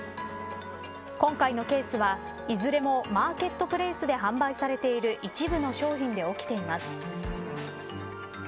今回のケースは、いずれもマーケットプレイスで販売されている一部の商品で起きています。